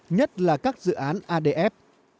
nhất là các dự án adf